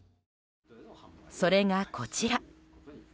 それが、こちら。